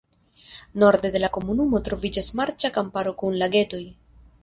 Norde de la komunumo troviĝas marĉa kamparo kun lagetoj.